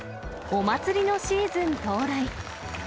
お祭りのシーズン到来。